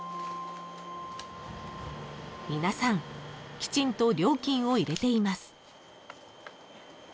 ［皆さんきちんと料金を入れています］